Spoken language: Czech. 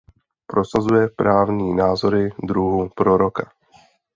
Prosazuje právní názory druhů Proroka.